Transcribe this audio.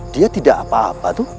dia tidak apa apa tuh